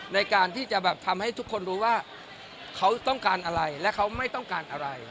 ในการที่จะแบบทำให้ทุกคนรู้ว่าเขาต้องการอะไรและเขาไม่ต้องการอะไร